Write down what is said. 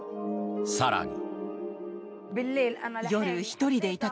更に。